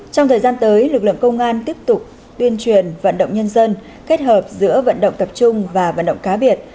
trong thời gian tới lực lượng công an tiếp tục tuyên truyền vận động nhân dân kết hợp giữa vận động tập trung và vận động cá biệt